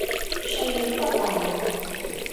歲月不留人